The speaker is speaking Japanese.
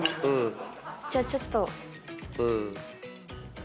じゃあちょっと。